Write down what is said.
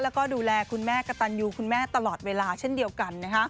แล้วก็ดูแลคุณแม่กระตันยูคุณแม่ตลอดเวลาเช่นเดียวกัน